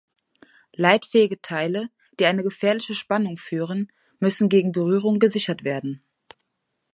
Leitfähige Teile, die eine gefährliche Spannung führen, müssen gegen Berührung gesichert werden.